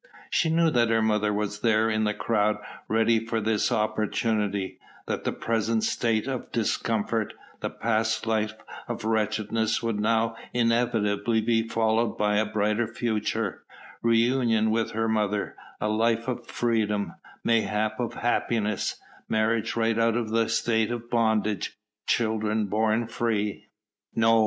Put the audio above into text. She knew that her mother was there in the crowd, ready for this opportunity; that the present state of discomfort, the past life of wretchedness would now inevitably be followed by a brighter future: reunion with her mother, a life of freedom, mayhap of happiness, marriage right out of the state of bondage, children born free! No!